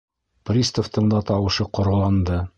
Приставтың да тауышы ҡороланды: